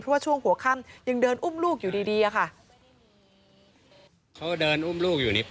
เพราะว่าช่วงหัวข้ำยังเดินอุ้มลูกอยู่ดีอะค่ะ